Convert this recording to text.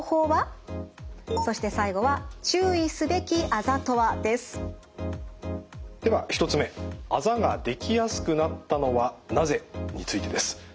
まずはでは１つ目あざができやすくなったのはなぜ？についてです。